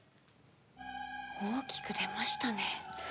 大きく出ましたね。